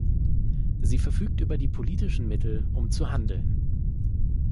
Sie verfügt über die politischen Mittel, um zu handeln.